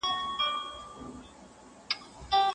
که نن دي محتسب د سیوري پل په کاڼو ولي